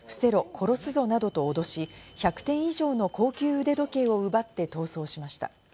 殺すぞなどとおどし、１００点以上の高級腕時計を奪って逃走しました。